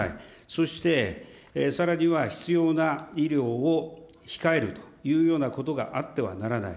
そしてさらには必要な医療を控えるというようなことがあってはならない。